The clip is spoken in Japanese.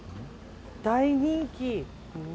大人気。